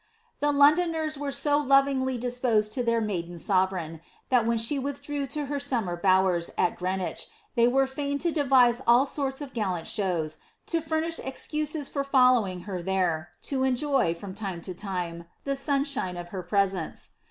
The Londoners were so lovingly disposed to their maiden sovereign, that when she withdrew to her summer bowers al Greenwich, ihey wera bin to devise all sorts of gallant shows, to furnish excuses for following her there, to enjoy, from time to time, the sunshine of her pi«aenea.